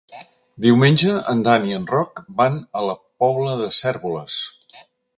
Diumenge en Dan i en Roc van a la Pobla de Cérvoles.